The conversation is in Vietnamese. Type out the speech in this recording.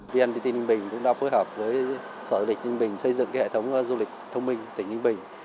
vnpt ninh bình cũng đã phối hợp với sở du lịch ninh bình xây dựng hệ thống du lịch thông minh tỉnh ninh bình